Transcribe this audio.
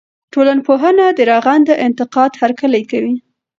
ټولنپوهنه د رغنده انتقاد هرکلی کوي.